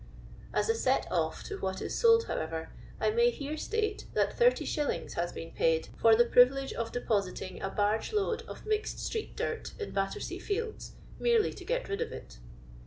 As a set off to what is sold, however, I may here state that 30^. has been paid for the privilege of depositing a barge load of mixed street dirt in Battenea fields, merely to get rid of it.